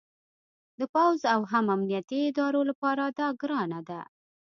د پوځ او هم امنیتي ادارو لپاره دا ګرانه ده